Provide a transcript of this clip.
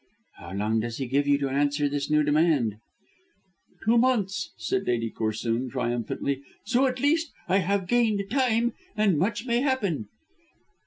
"How long does he give you to answer this new demand?" "Two months," said Lady Corsoon, triumphantly; "so at least I have gained time, and much may happen."